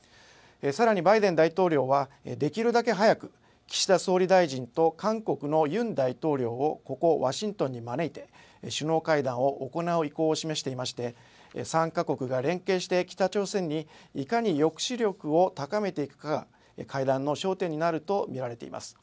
さらにバイデン大統領はできるだけ早く岸田総理大臣と韓国のユン大統領をここワシントンに招いて首脳会談を行う意向を示していまして３か国が連携して北朝鮮に、いかに抑止力を高めていくかが会談の焦点になると見られています。